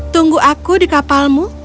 tunggu aku di kapalmu